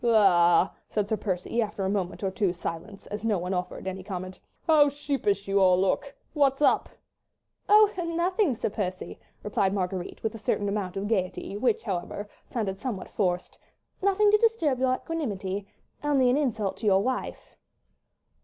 "La!" said Sir Percy, after a moment or two's silence, as no one offered any comment, "how sheepish you all look. ... What's up?" "Oh, nothing, Sir Percy," replied Marguerite, with a certain amount of gaiety, which, however, sounded somewhat forced, "nothing to disturb your equanimity—only an insult to your wife."